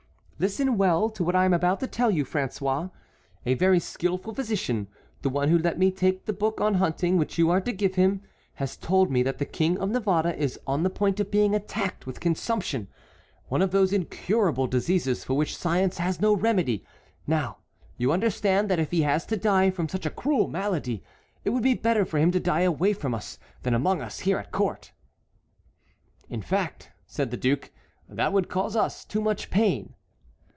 "Listen well to what I am about to tell you, François. A very skilful physician, the one who let me take the book on hunting which you are to give him, has told me that the King of Navarre is on the point of being attacked with consumption, one of those incurable diseases for which science has no remedy. Now, you understand that if he has to die from such a cruel malady it would be better for him to die away from us than among us here at court." "In fact," said the duke, "that would cause us too much pain."